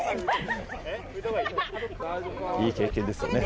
いい経験ですよね。